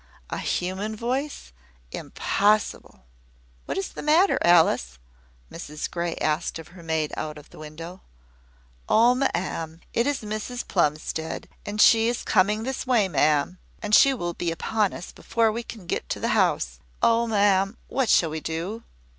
"A human voice! Impossible!" "What is the matter, Alice?" Mrs Grey asked of her maid out of the window. "Oh, ma'am, it is Mrs Plumstead! And she is coming this way, ma'am. She will be upon us before we can get to the house. Oh, ma'am, what shall we do?"